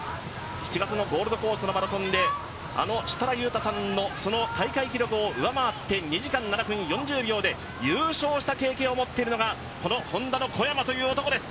７月のゴールドコーストのマラソンで、あの設楽悠太さんの大会記録を上回って２時間７分４０秒で優勝した経験を持っているのがこのＨｏｎｄａの小山という男です。